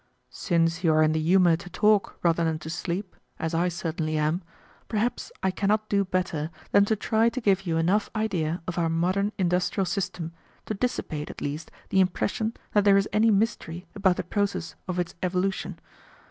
"Since you are in the humor to talk rather than to sleep, as I certainly am, perhaps I cannot do better than to try to give you enough idea of our modern industrial system to dissipate at least the impression that there is any mystery about the process of its evolution.